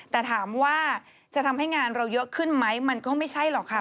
แต่ถามว่าจะทำให้งานเราเยอะขึ้นไหมมันก็ไม่ใช่หรอกค่ะ